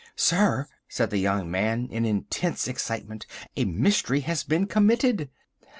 "Sir," said the young man in intense excitement, "a mystery has been committed!"